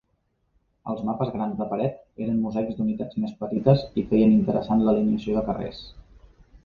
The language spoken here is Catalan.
Els mapes grans de paret eren mosaics d'unitats més petites i feien interessant l'alineació de carrers.